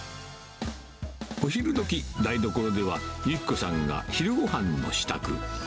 お昼どき、台所では由希子さんが昼ごはんの支度。